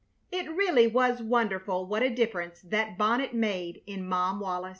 It really was wonderful what a difference that bonnet made in Mom Wallis.